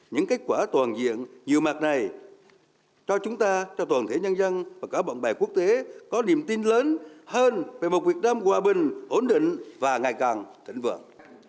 những kết quả toàn diện nhiều mặt này cho chúng ta cho toàn thể nhân dân và cả bạn bè quốc tế có niềm tin lớn hơn về một việt nam hòa bình ổn định và ngày càng thịnh vượng